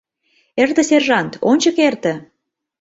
Эрте, сержант, ончык эрте!